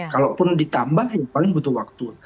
kalaupun ditambah ya paling butuh waktu